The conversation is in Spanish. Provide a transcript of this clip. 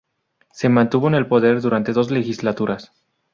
Se mantuvo en el poder durante dos legislaturas.